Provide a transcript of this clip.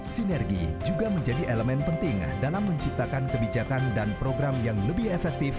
sinergi juga menjadi elemen penting dalam menciptakan kebijakan dan program yang lebih efektif